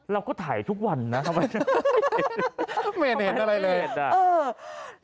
เราก็ถ่ายทุกวันนะไม่เห็นเห็นอะไรเลย